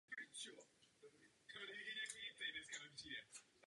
Občas zpívá doprovodné vokály.